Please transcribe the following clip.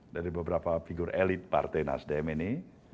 dari beberapa figur elit partai nasdem ini